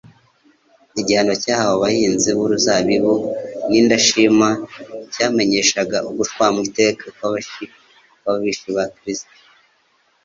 Igihano cyahawe abahinzi b’uruzabibu b’indashima cyamenyeshaga ugucrwaho iteka kw’abishi ba Kristo.